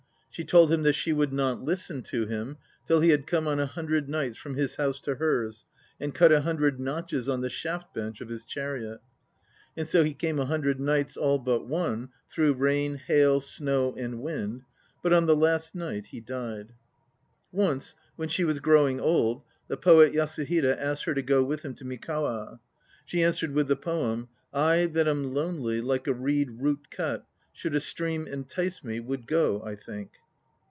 She told him that she would not listen to him till he had come on a hundred nights from his house to hers and cut a hundred notches on the shaft bench of his chariot. And so he came a hundred nights all but one, through rain, hail, snow, and wind. But on the last night he died. Once, when she was growing old, the poet Yasuhide asked her to go with him to Mikawa. She answered with the poem: "I that am lonely, Like a reed root cut, Should a stream entice me, Would go, I think."